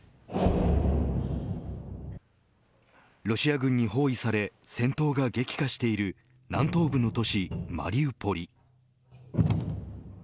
ロシア軍に包囲され戦闘が激化している南東部の都市マリウポリ。